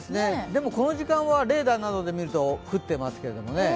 でも、この時間はレーダーなどで見ると降っていますけれどもね。